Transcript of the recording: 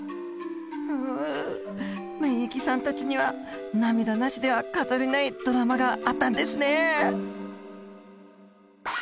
うう免疫さんたちには涙なしでは語れないドラマがあったんですね。